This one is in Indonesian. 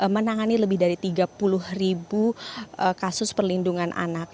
menangani lebih dari tiga puluh ribu kasus perlindungan anak